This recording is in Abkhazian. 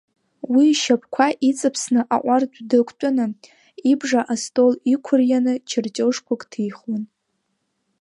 Уи ишьапқәа иҵаԥсаны аҟәардә дықәтәаны, ибжа астол иқәырианы чертиожқәак ҭихуан.